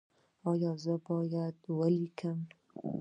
ایا زه باید ولیکم؟